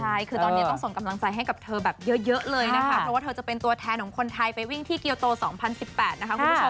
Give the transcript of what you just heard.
ใช่คือตอนนี้ต้องส่งกำลังใจให้กับเธอแบบเยอะเลยนะคะเพราะว่าเธอจะเป็นตัวแทนของคนไทยไปวิ่งที่เกียวโต๒๐๑๘นะคะคุณผู้ชม